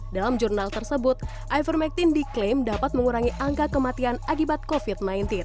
dalam jurnal tersebut ivermectin diklaim dapat mengurangi angka kematian akibat covid sembilan belas